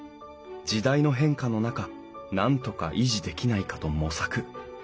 時代の変化の中なんとか維持できないかと模索。